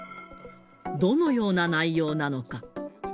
どのような内容なのか。